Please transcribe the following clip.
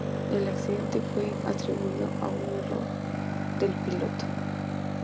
El accidente fue atribuido a un error del piloto.